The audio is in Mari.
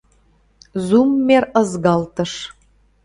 Зуммер ызгалтыш.